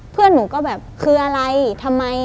เพื่อนหนูก็แบบคืออะไรทำไม